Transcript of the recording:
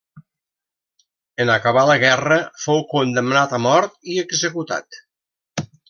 En acabar la guerra fou condemnat a mort i executat.